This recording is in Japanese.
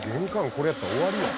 これやったら終わりやん」